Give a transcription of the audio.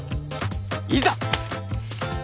いざ！